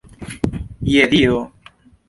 Je Dio!